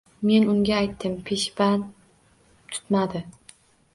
Men unga aytdim, peshband tutmadi.